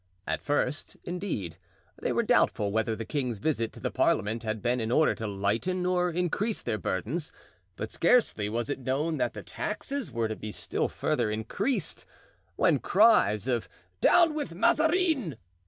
At first, indeed, they were doubtful whether the king's visit to the parliament had been in order to lighten or increase their burdens; but scarcely was it known that the taxes were to be still further increased, when cries of "Down with Mazarin!"